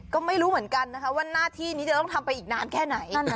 ก็ไม่รู้เหมือนกันนะคะว่าหน้าที่นี้จะต้องทำไปอีกนานแค่ไหน